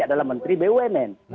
adalah menteri bumn